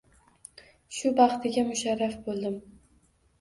Shu baxtiga musharraf boʻldim!